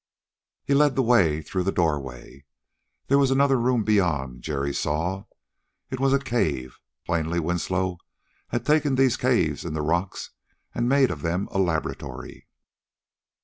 He led the way through the doorway. There was another room beyond, Jerry saw. It was a cave. Plainly Winslow had taken these caves in the rocks and had made of them a laboratory.